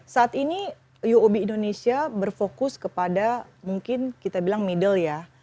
saat ini uob indonesia berfokus kepada mungkin kita bilang middle ya